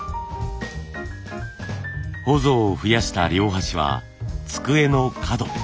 ほぞを増やした両端は机の角。